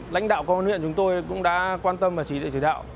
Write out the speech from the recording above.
lãnh đạo công an huyện chúng tôi cũng đã quan tâm và chỉ đạo chỉ đạo